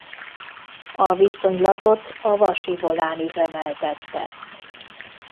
A viszonylatot a Vasi Volán üzemeltette.